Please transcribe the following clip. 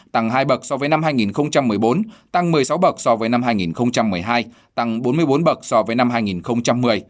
tăng hai bậc so với năm hai nghìn một mươi bốn tăng một mươi sáu bậc so với năm hai nghìn một mươi hai tăng bốn mươi bốn bậc so với năm hai nghìn một mươi